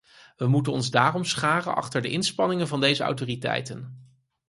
We moeten ons daarom scharen achter de inspanningen van deze autoriteiten.